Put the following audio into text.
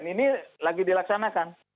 ini lagi dilaksanakan